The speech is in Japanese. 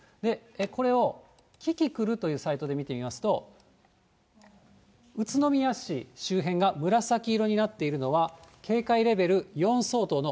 これをキキクルというサイトで見てみますと、宇都宮市周辺が紫色になっているのは警戒レベル４相当の。